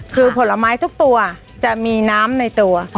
คือผลไม้ทุกตัวจะมีน้ำในตัว